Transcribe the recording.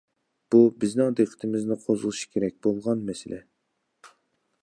بۇ بىزنىڭ دىققىتىمىزنى قوزغىشى كېرەك بولغان مەسىلە.